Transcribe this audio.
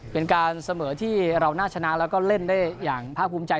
เป็นการเสมอที่เราน่าชนะแล้วก็เล่นได้อย่างภาคภูมิใจ